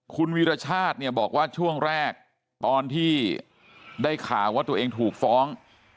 คุณวีรชาติเนี่ยบอกว่าช่วงแรกตอนที่ได้ข่าวว่าตัวเองถูกฟ้อง